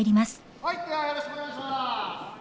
はいではよろしくお願いします。